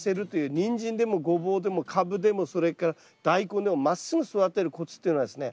ニンジンでもゴボウでもカブでもそれからダイコンでもまっすぐ育てるコツっていうのはですね